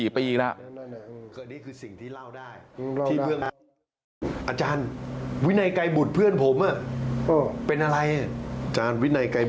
๓๔ปีแล้ว